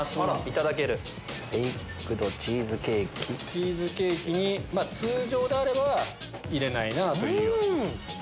チーズケーキに通常であれば入れないなぁという。